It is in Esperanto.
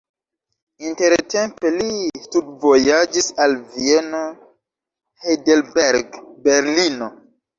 Intertempe li studvojaĝis al Vieno, Heidelberg, Berlino.